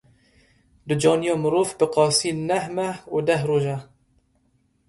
Ducaniya mirov bi qasî neh meh û deh roj e.